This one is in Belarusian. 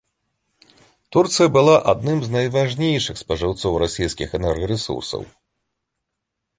Турцыя была адным з найважнейшых спажыўцоў расійскіх энергарэсурсаў.